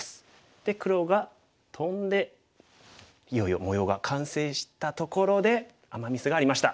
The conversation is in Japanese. で黒がトンでいよいよ模様が完成したところでアマ・ミスがありました。